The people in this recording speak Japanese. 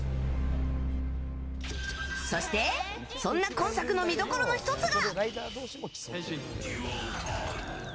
そして、そんな今作の見どころの１つが。